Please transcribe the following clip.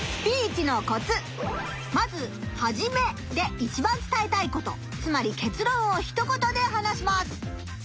まずはじめでいちばん伝えたいことつまり結論をひと言で話します。